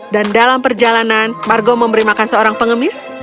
dan dalam perjalanan margo memberi makan seorang pengemis